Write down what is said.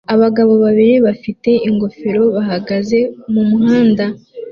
Abagabo babiri bafite ingofero bahagaze mumuhanda